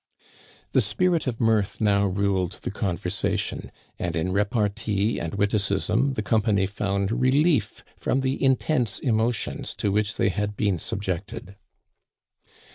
The spirit of mirth now ruled the conversation, and in repartee and witticism the company found relief from the intense emotions to which they had been subjected.